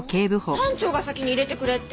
班長が先に入れてくれって。